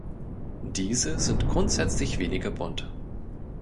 Diese sind grundsätzlich weniger bunt.